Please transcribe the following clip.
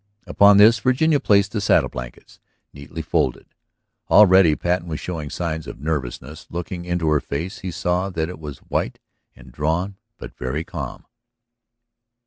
Upon this Virginia placed the saddle blankets, neatly folded. Already Patten was showing signs of nervousness. Looking into her face he saw that it was white and drawn but very calm.